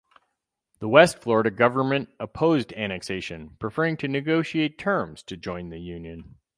The West Florida government opposed annexation, preferring to negotiate terms to join the Union.